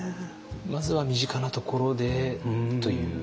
まずは身近なところでという。